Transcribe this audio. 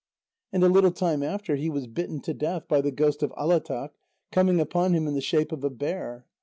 And a little time after, he was bitten to death by the ghost of Alátaq, coming upon him in the shape of a bear.